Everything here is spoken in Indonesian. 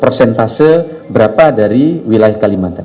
persentase berapa dari wilayah kalimantan